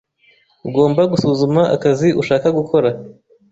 Ugomba gusuzuma akazi ushaka gukora.